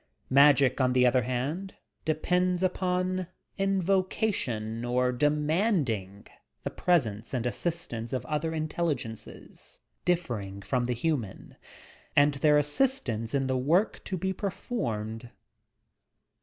Magic, on the other hand, depends upon in vocation or demanding the presence and assistance of other intelligences differing from the human, and their assistance in the work to be performed.